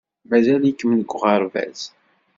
Mazal-iken deg uɣerbaz.